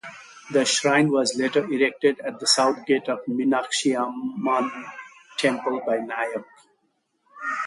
A shrine was later erected at the south gate of Meenakshiamman Temple by Nayak.